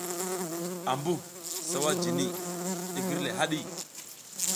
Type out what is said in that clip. Ambuh sawa jini, i gir le haɗi.